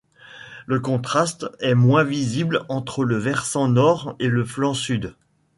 Le contraste est moins visible entre le versant nord et le flanc sud.